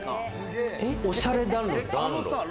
おしゃれ暖炉です。